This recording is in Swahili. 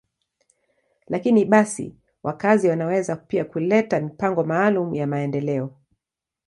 Lakini basi, wakazi wanaweza pia kuleta mipango maalum ya maendeleo.